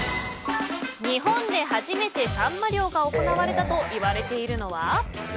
日本で初めてサンマ漁が行われたといわれているのは？